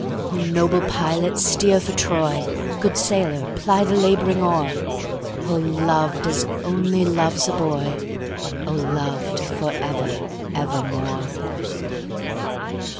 O noble pilot steer for Troy, Good sailor ply the labouring oar,O loved as only loves a boy!O loved for ever evermore!